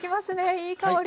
いい香り。